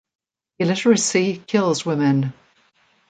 Illiteracy kills women.